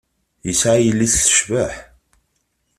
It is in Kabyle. Yesεa yelli-s tecbeḥ.